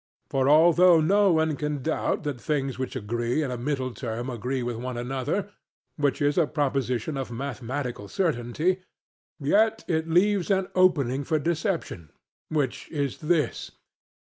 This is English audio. For although no one can doubt that things which agree in a middle term agree with one another (which is a proposition of mathematical certainty), yet it leaves an opening for deception; which is this.